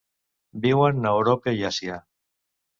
Viuen a Europa i Àsia.